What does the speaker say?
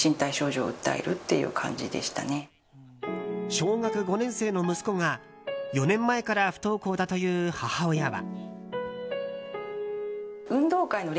小学５年生の息子が４年前から不登校だという母親は。